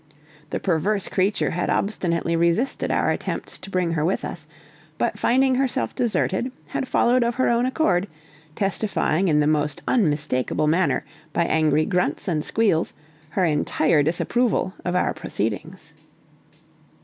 The perverse creature had obstinately resisted our attempts to bring her with us, but finding herself deserted, had followed of her own accord, testifying in the most unmistakable manner, by angry grunts and squeals, her entire disapproval of our proceedings.